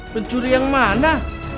pencuri yang mana